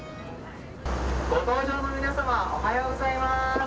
ご搭乗の皆様、おはようございまーす。